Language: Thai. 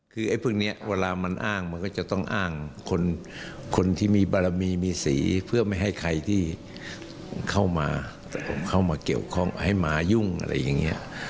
คือไอ้พวกนี้เวลามันอ้างมันก็จะต้องอ้างคนที่มีบารมีมีสีเพื่อไม่ให้ใครที่เข้ามาแต่ผมเข้ามาเกี่ยวข้องให้มายุ่งอะไรอย่างนี้